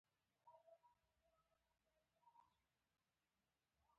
خصوصي سکتور شریک دی